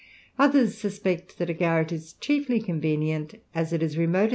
Others suspect, that a garret is chiefly convenient, as it is remoter tha.